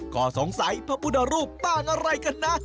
ก็สงสัยพระพุทธรูปปั้นอะไรกันนะ